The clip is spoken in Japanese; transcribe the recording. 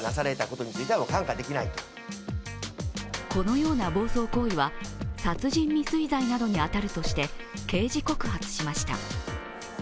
このような暴走行為は殺人未遂罪に当たるとして、刑事告発しました。